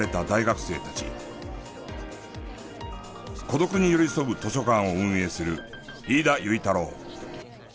孤独に寄り添う図書館を運営する飯田惟太郎。